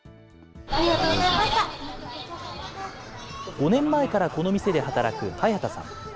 ５年前から、この店で働く早田さん。